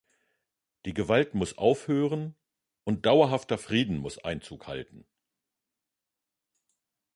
Die Gewalt muss aufhören, und dauerhafter Frieden muss Einzug halten.